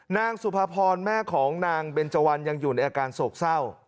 นางสุภาพรแม่ของนางเบนเจวันยังอยู่ในอาการโศกเศร้า